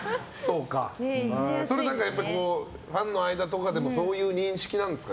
それ何かファンの間とかでもそういう認識なんですか？